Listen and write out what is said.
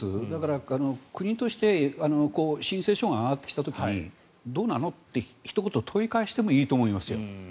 国として申請書が上がってきた時にどうなの？ってひと言問い返してもいいと思いますよ。